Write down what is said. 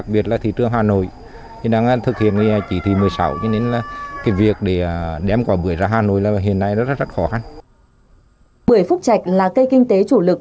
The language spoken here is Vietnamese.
bưởi phúc chạch là cây kinh tế chủ lực